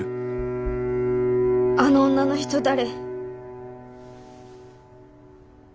あの女の人誰？